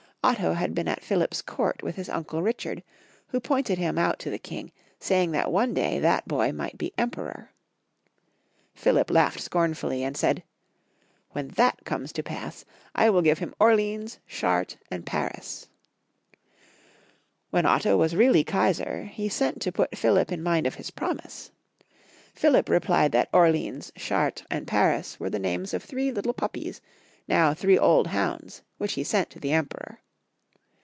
Otto had been at Philip's court with his imcle Richard, who pointed him out to the King, saying that one day that boy might be Em peror. Philip laughed scornfully, and said — 168 Young Folks'^ History of Crermany. " When that comes to pass, I will give him Orleans, Chartres, and Paris." When Otto was reaUy Kaisar, he sent to put Philip in mind of his promise. Philip replied that Orieans, Chartres, and Paris were the names of three little puppies, now three old hounds which he sent to the Emperor!